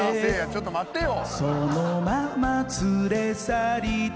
ちょっと待ってよ。